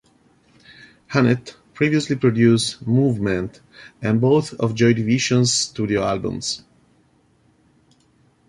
Hannett previously produced "Movement" and both of Joy Division's studio albums.